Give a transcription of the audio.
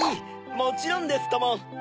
もちろんですとも！